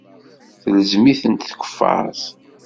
Telzem-itent tkeffart.